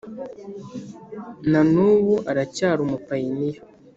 Na n ubu aracyari umupayiniya